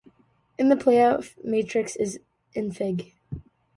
In the payoff matrix in Fig.